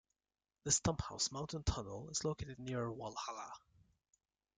The Stumphouse Mountain Tunnel is located near Walhalla.